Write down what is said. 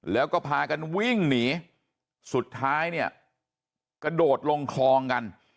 แล้วก็พากันวิ่งหนีสุดท้ายเนี่ยกระโดดลงคลองกัน